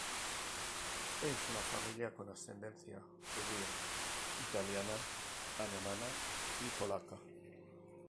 En una familia con ascendencia judía, italiana, alemana y polaca.